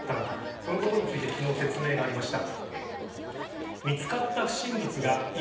このことについて昨日説明がありました。